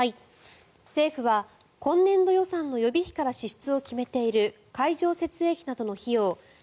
政府は今年度予算の予備費から支出を決めている会場設営費などの費用